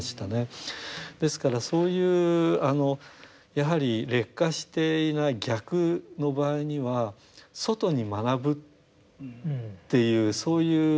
ですからそういうやはり劣化していない逆の場合には外に学ぶっていうそういうことができるんですよ。